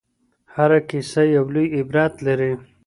هره کيسه يو لوی عبرت لري.